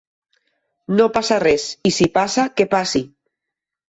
No passa res, i si passa que passi!